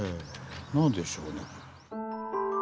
何でしょうね？